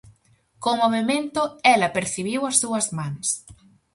Co movemento, ela percibiu as súas mans.